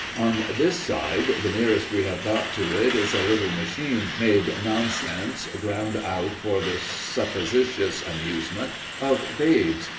On this side the nearest we have got to it is a little machine made nonsense, ground out for the supposititious amusement of babes.